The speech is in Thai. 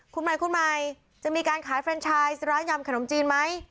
คุณใหม่จะมีการขายเฟรนชายส์ร้านยำขนมจีนไหม